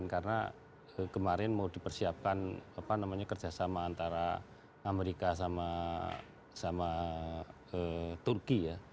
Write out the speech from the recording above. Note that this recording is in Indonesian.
karena kemarin mau dipersiapkan kerjasama antara amerika sama turki ya